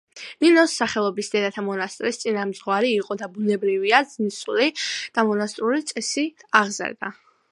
ნინოს სახელობის დედათა მონასტრის წინამძღვარი იყო და ბუნებრივია ძმისწული მონასტრული წესით აღზარდა.